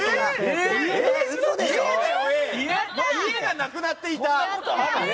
正解は家がなくなっていた。